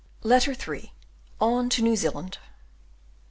Letter III: On to New Zealand.